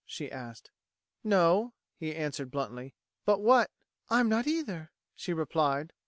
she asked. "No," he answered bluntly. "But what...?" "I'm not either," she replied.